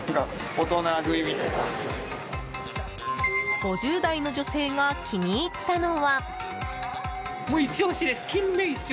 ５０代の女性が気に入ったのは。